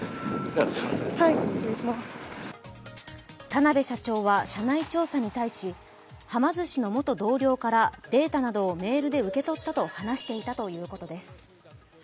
田辺社長は社内調査に対しはま寿司の元同僚からデータなどをメールで受け取ったと話していたということです。